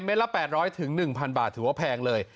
เมล็ดละแปดร้อยถึงหนึ่งพันบาทถือว่าแพงเลย